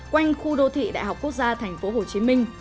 quanh khu đô thị đại học quốc gia tp hcm